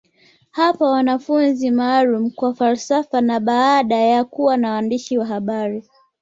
Hapa wanafunzi maalumu kwa falsafa na baada ya kuwa na waandishi wa habari